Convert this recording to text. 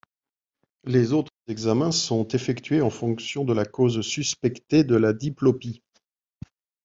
Les autres examens sont effectués en fonction de la cause suspectée de la diplopie.